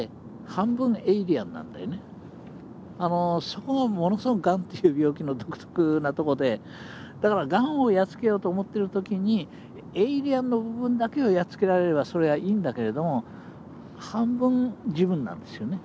そこがものすごくがんという病気の独特なとこでだからがんをやっつけようと思ってる時にエイリアンの部分だけをやっつけられればそれはいいんだけれども半分自分なんですよね。